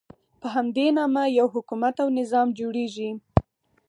په همدې نامه یو حکومت او نظام جوړېږي.